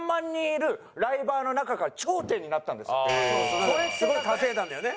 なんかすごい稼いだんだよね。